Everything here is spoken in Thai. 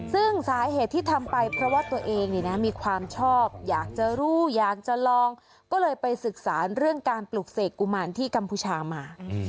ซึ่งสาเหตุที่ทำไปเพราะว่าตัวเองมีความชอบอยากจะรู้อยากจะลองก็เลยไปศึกษาเรื่องการปลูกเสกกุมารที่กัมพูชามา